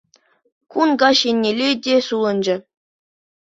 Кун каҫ еннелле те сулӑнчӗ.